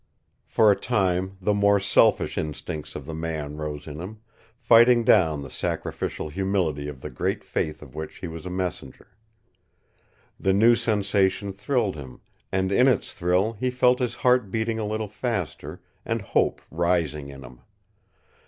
For a time the more selfish instincts of the man rose in him, fighting down the sacrificial humility of the great faith of which he was a messenger. The new sensation thrilled him, and in its thrill he felt his heart beating a little faster, and hope rising in him.